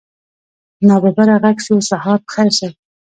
ناببره غږ شو سهار په خير صيب.